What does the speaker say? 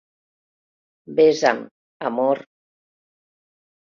Besa'm, amor.